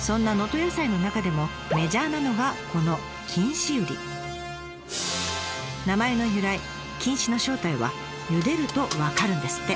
そんな能登野菜の中でもメジャーなのがこの名前の由来金糸の正体はゆでると分かるんですって。